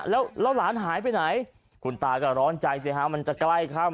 แล้วหลานหายไปไหนคุณตาก็ร้อนใจสิฮะมันจะใกล้ค่ำ